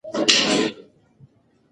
سعید په خپل مکتب کې لومړی مقام خپل کړ.